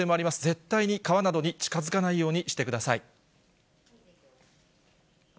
絶対に川などに近づかないようにしてください。